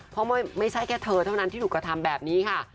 เพราะไม่ใช่แค่เธอเท่านั้นที่ถูกกระทำแบบนี้ค่ะ